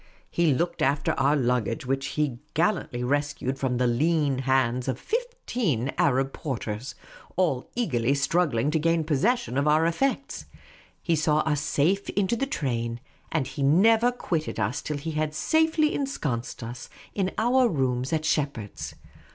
He looked after our luggage, which he gallantly rescued from the lean hands of fifteen Arab porters, all eagerly struggling to gain possession of our effects ; he saw us safe into the train ; and he never quitted us till he had safely ensconced us in our rooms at Shepheard's.